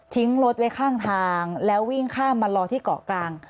รถไว้ข้างทางแล้ววิ่งข้ามมารอที่เกาะกลาง